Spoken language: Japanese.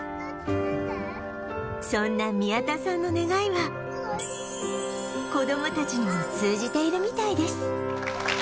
そんな宮田さんの願いは子どもたちにも通じているみたいです